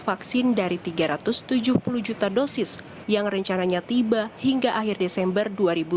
vaksin dari tiga ratus tujuh puluh juta dosis yang rencananya tiba hingga akhir desember dua ribu dua puluh